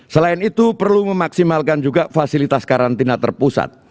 selain itu perlu memaksimalkan juga fasilitas karantina terpusat